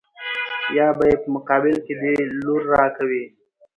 يا به يې په مقابل کې دې لور را کوې.